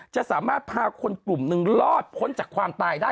จะสามารถพาคนกลุ่มหนึ่งรอดพ้นจากความตายได้